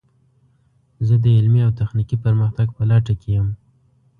زه د علمي او تخنیکي پرمختګ په لټه کې یم.